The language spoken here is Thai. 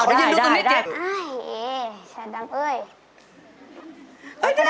ฉายลงเรียก